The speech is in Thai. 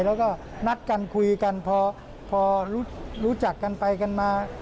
แล้วก็นัดกันคุยกันพอรู้จักกันไปกันมา